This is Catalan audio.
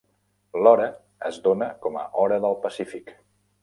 L'hora es dona com Hora del Pacífic.